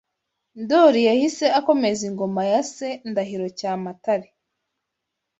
ndoli yahise akomeza ingoma ya Se Ndahiro Cyamatare